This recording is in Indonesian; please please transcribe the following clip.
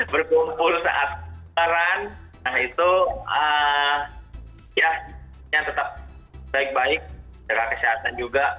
berkumpul saat peran nah itu ya yang tetap baik baik dengan kesehatan juga